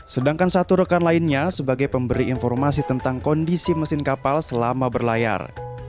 sedangkan satu rekan lainnya sebagai pemberi informasi tentang kondisi mesin kapal selama berlayar